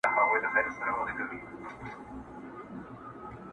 سل زنځیره مي شلولي دي ازاد یم,